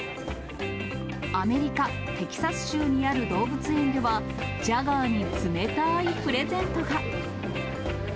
アメリカ・テキサス州にある動物園では、ジャガーに冷たーいプレゼントが。